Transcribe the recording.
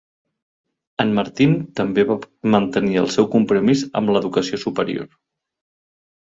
En Martin també va mantenir el seu compromís amb l'educació superior.